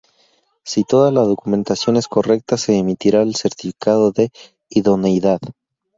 Si toda la documentación es correcta se emitirá el certificado de idoneidad.